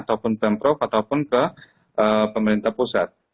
ataupun pemprov ataupun ke pemerintah pusat